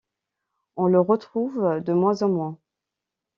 On le retrouve de moins en moins.